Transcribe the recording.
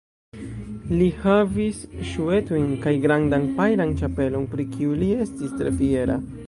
Li havis flavajn ŝuetojn kaj grandan pajlan ĉapelon, pri kiu li estis tre fiera.